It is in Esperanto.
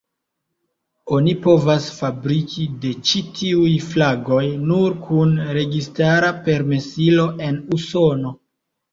Oni povas fabriki de ĉi tiuj flagoj nur kun registara permesilo en Usono.